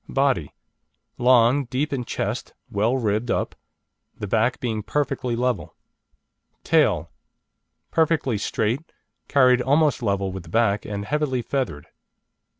BODY Long, deep in chest, well ribbed up, the back being perfectly level. TAIL Perfectly straight, carried almost level with the back, and heavily feathered.